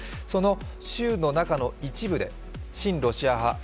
その州の中の一部、親ロシア派